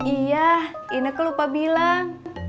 iya ineke lupa bilang